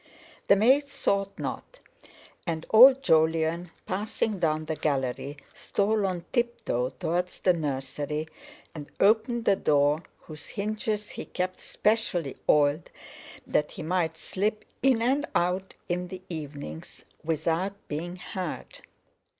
The maid thought not. And old Jolyon, passing down the gallery, stole on tiptoe towards the nursery, and opened the door whose hinges he kept specially oiled that he might slip in and out in the evenings without being heard.